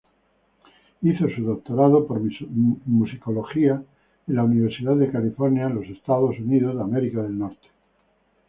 Hizo su doctorado en Musicología en la Universidad de California en Los Estados Unidos.